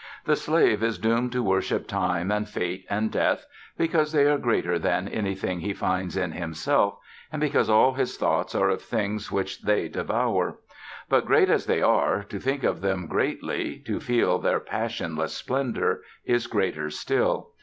The slave is doomed to worship Time and Fate and Death, because they are greater than anything he finds in himself, and because all his thoughts are of things which they devour. But, great as they are, to think of them greatly, to feel their passionless splendor, is greater still.